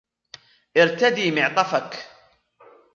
ارتدي معطفك.